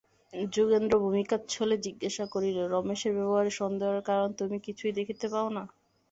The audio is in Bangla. যোগেন্দ্র ভূমিকাচ্ছলে জিজ্ঞাসা করিল, রমেশের ব্যবহারে সন্দেহের কারণ তুমি কিছুই দেখিতে পাও না?